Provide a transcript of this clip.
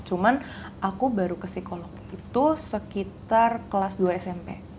cuman aku baru ke psikolog itu sekitar kelas dua smp